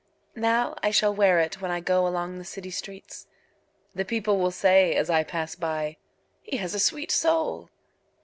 Now I shall wear itWhen I goAlong the city streets:The people will sayAs I pass by—"He has a sweet soul!"